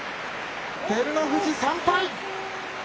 照ノ富士３敗。